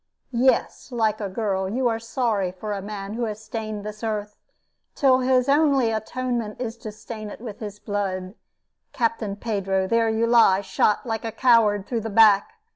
"Yes, like a girl, you are sorry for a man who has stained this earth, till his only atonement is to stain it with his blood. Captain Pedro, there you lie, shot, like a coward, through the back.